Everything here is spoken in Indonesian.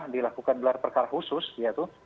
dilakukan gelar perkara khusus ya itu